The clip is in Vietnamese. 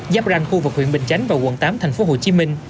giáp ranh khu vực huyện bình chánh và quận tám tp hcm